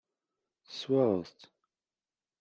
Teswaɣeḍ-t.